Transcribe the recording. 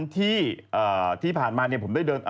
ที่ผ่านมาผมได้เดิน